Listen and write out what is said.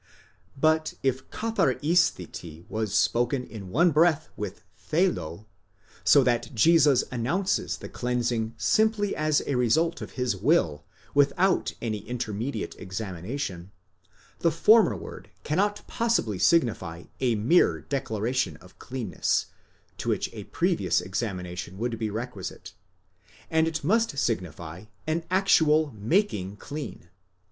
But if καθαρίσθητι was spoken in one breath with θέλω, so that Jesus announces the cleansing simply as a result of his will without any intermediate examination, the former word cannot possibly signify a mere declaration of cleanness, to which a previous examination would be requisite, and it must signify an actual making clean.